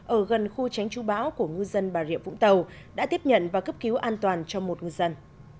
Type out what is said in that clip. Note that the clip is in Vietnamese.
ở gần khu tránh chú bão của ngư dân bà rịa vũng tàu đã tiếp nhận và cấp cứu an toàn cho một ngư dân